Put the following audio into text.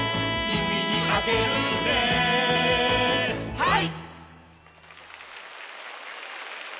はい！